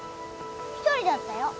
一人だったよ。